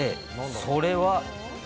それは。